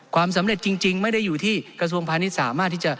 ความสำเร็จจริงไม่ได้อยู่ที่กระทรวงพาณิชย์สามารถที่จะ